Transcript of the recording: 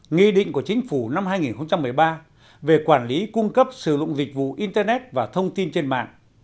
nghị định của chính phủ năm hai nghìn một mươi ba về quản lý cung cấp sử dụng dịch vụ internet và thông tin trên mạng